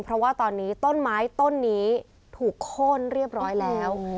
เพราะว่าตอนนี้ต้นไม้ต้นนี้ถูกโค้นเรียบร้อยแล้ว